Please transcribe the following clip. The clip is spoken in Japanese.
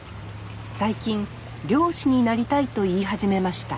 最近「漁師になりたい」と言い始めました